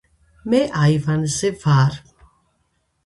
მე აივანზე ვარ.